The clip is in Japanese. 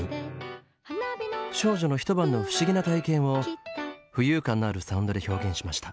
少女のひと晩の不思議な体験を浮遊感のあるサウンドで表現しました。